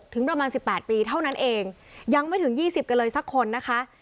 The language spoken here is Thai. ประมาณ๑๘ปีเท่านั้นเองยังไม่ถึง๒๐กันเลยสักคนนะคะ